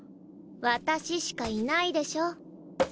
私しかいないでしょ。